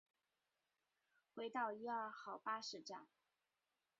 回到一二号巴士站